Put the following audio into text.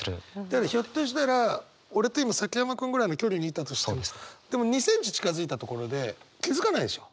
だからひょっとしたら俺と今崎山君ぐらいの距離にいたとしてもでも２センチ近づいたところで気付かないでしょ？